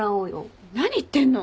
何言ってんの？